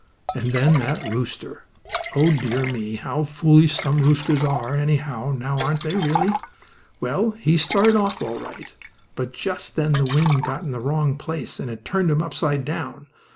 And then that rooster! Oh, dear me, how foolish some roosters are, anyhow, now aren't they, really? Well, he started off all right, but just then the wind got in the wrong place, and it turned him upside down.